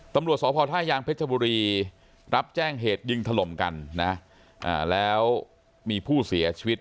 ตำรวจสพท่ายางเพชรบุรีรับแจ้งเหตุยิงถล่มกันนะแล้วมีผู้เสียชีวิต